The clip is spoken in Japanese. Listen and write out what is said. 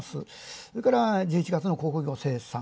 それから１１月の鉱工業生産。